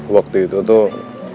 waktu itu tuh